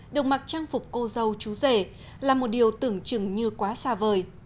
được mặc trang phục cô dâu chú rể là một điều tưởng chừng như quá xa vời